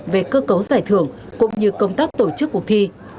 về cơ cấu giải thưởng cũng như công tác tổ chức cuộc thi